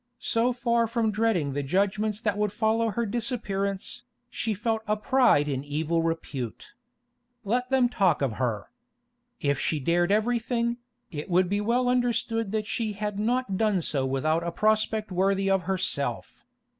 So far from dreading the judgments that would follow her disappearance, she felt a pride in evil repute. Let them talk of her! If she dared everything, it would be well understood that she had not done so without a prospect worthy of herself.